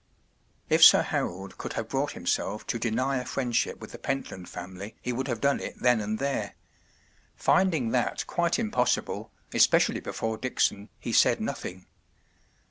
” If Sir Harold could have brought himself to deny a friendship with the Pentland family he would have done it then and there. Find¬ ing that quite impossible, especially before Dickson, he said nothing.